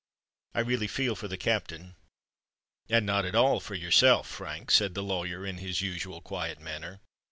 I really feel for the Captain——" "And not at all for yourself, Frank?" said the lawyer, in his usual quiet manner.